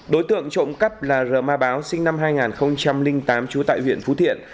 đối tượng trộm cắt là rờ ma báo sinh năm hai nghìn tám